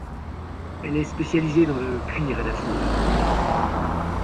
Elle est spécialisée dans le cuir et la fourrure.